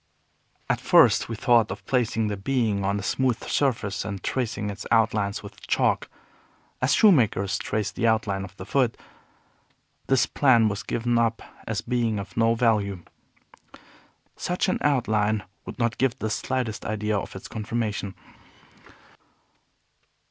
At first we thought of placing the being on a smooth surface and tracing its outlines with chalk, as shoemakers trace the outline of the foot. This plan was given up as being of no value. Such an outline would give not the slightest idea of its conformation.